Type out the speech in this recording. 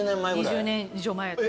２０年以上前やと。